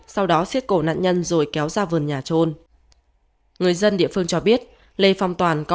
sau đó xiết cổ nạn nhân rồi kéo ra vườn nhà trôn người dân địa phương cho biết lê phong toàn có